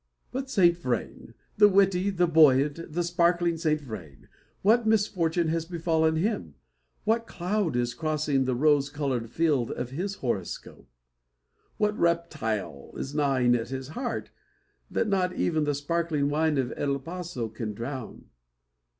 But Saint Vrain the witty, the buoyant, the sparkling Saint Vrain what misfortune has befallen him? What cloud is crossing the rose coloured field of his horoscope? What reptile is gnawing at his heart, that not even the sparkling wine of El Paso can drown?